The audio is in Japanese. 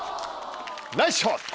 ナイスショット！